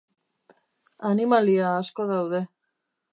Animalia asko daude.